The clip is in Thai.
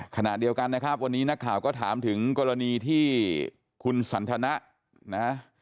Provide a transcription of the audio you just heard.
ขณะเดียวกันนะครับวันนี้นักข่าวก็ถามถึงกรณีที่คุณสันทนะนะฮะ